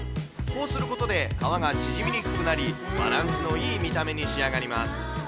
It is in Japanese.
こうすることで皮が縮みにくくなり、バランスのいい見た目に仕上がります。